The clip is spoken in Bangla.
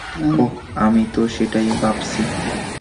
ওহ, আমি তো সেটাই ভাবছি।